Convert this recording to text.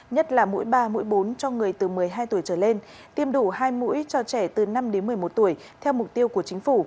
nhất là mũi ba mũi bốn cho người từ một mươi hai tuổi trở lên tiêm đủ hai mũi cho trẻ từ năm đến một mươi một tuổi theo mục tiêu của chính phủ